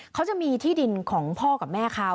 เขาจะมีที่ดินของพ่อกับแม่เขา